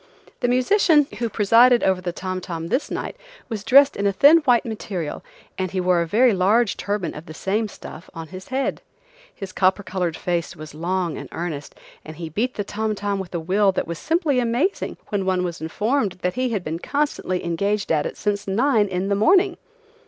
The musician who presided over the tom tom this night was dressed in a thin white material, and he wore a very large turban of the same stuff on his head. His copper colored face was long and earnest, and he beat the tom tom with a will that was simply amazing when one was informed that he had been constantly engaged at it since nine in the morning.